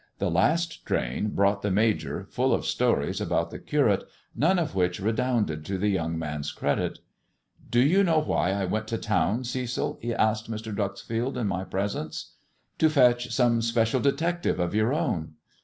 The ;, last train brought the Major, full of stories about the Curate, none of which redounded to the young man's credit. " Do you know why I went to town, Cecil ]" he asked Mr. Dreuxfield in my presence. "To fetch some special detective of your own."